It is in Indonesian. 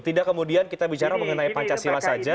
tidak kemudian kita bicara mengenai pancasila saja